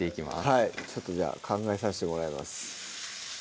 はいちょっと考えさしてもらいます